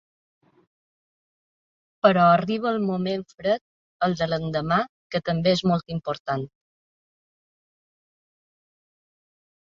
Però arriba el moment fred, el de l’endemà, que també és molt important.